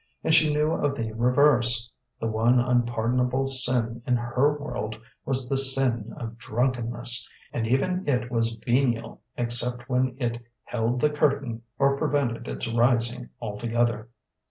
And she knew of the reverse. The one unpardonable sin in her world was the sin of drunkenness, and even it was venial except when it "held the curtain" or prevented its rising altogether.